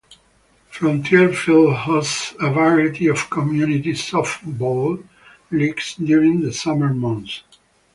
Frontier Field hosts a variety of community softball leagues during the summer months.